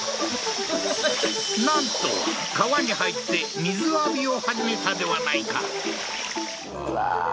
なんと川に入って水浴びを始めたではないかうわー